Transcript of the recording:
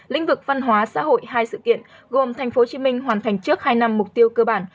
lĩnh vực văn hóa xã hội hai sự kiện gồm tp hcm hoàn thành trước hai năm mục tiêu cơ bản